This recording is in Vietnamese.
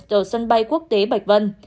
tổ sân bay quốc tế bạch vân